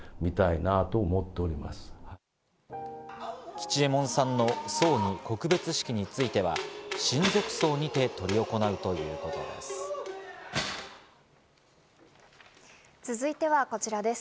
吉右衛門さんの葬儀・告別式については親族葬にて執り行うということです。